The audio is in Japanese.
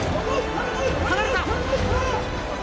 離れた！